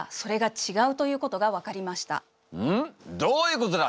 どういうことだ！？